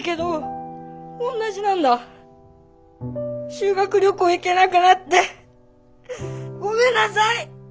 修学旅行へ行けなくなってごめんなさい！